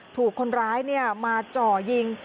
ถูกคนร้ายเนี่ยมาเจาะยิง